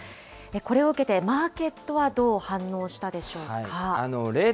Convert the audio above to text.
これを受けて、マーケットはどう反応したでしょうか。